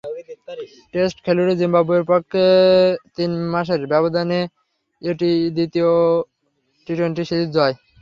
Test খেলুড়ে জিম্বাবুয়ের বিপক্ষে তিন মাসের ব্যবধানে এটি দ্বিতীয় টি-টোয়েন্টি সিরিজ জয়।